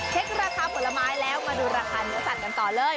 ราคาผลไม้แล้วมาดูราคาเนื้อสัตว์กันต่อเลย